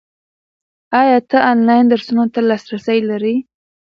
ایا ته آنلاین درسونو ته لاسرسی لرې؟